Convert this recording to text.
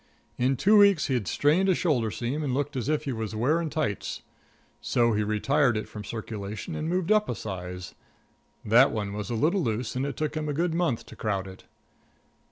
In two weeks he had strained a shoulder seam and looked as if he was wearing tights. So he retired it from circulation and moved up a size. That one was a little loose, and it took him a good month to crowd it.